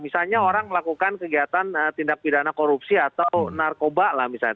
misalnya orang melakukan kegiatan tindak pidana korupsi atau narkoba lah misalnya